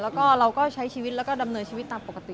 แล้วก็เราก็ใช้ชีวิตแล้วก็ดำเนินชีวิตตามปกติ